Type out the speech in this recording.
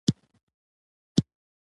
چا به له دښتو ځوځان راټولول.